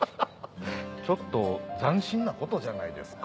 ちょっと斬新なことじゃないですか。